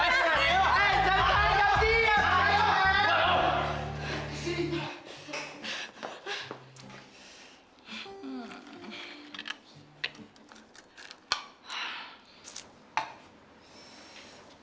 ke sini kak